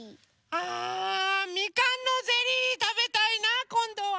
ああみかんのゼリーたべたいなあこんどは。